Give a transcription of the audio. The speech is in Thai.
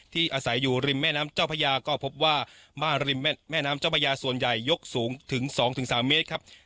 อาศัยอยู่ริมแม่น้ำเจ้าพญาก็พบว่าม่าริมแม่น้ำเจ้าพระยาส่วนใหญ่ยกสูงถึง๒๓เมตรครับ